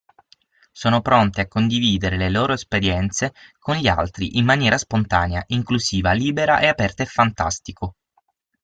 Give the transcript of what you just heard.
Sono pronte a condividere le loro esperienze con gli altri in maniera spontanea, inclusiva, libera e aperta è fantastico.